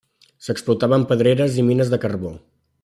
S'explotaven pedreres i mines de carbó.